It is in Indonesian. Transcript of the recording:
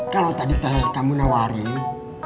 kalau tadi teh kamu nawarin